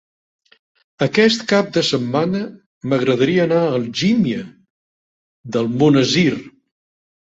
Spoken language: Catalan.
Aquest cap de setmana m'agradaria anar a Algímia d'Almonesir.